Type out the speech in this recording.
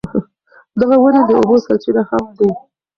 دغه ونې د اوبو سرچینه هم دي.